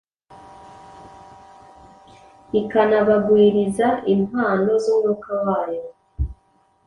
ikanabagwiriza impano z’Umwuka wayo.